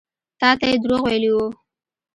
تا ته يې دروغ ويلي وو.